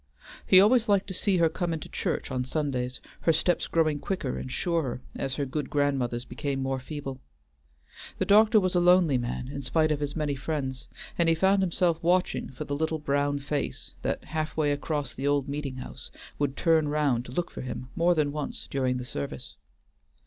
He always liked to see her come into church on Sundays, her steps growing quicker and surer as her good grandmother's became more feeble. The doctor was a lonely man in spite of his many friends, and he found himself watching for the little brown face that, half way across the old meeting house, would turn round to look for him more than once during the service.